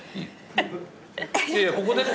いやいやここで。